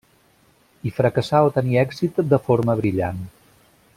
I fracassar o tenir èxit de forma brillant.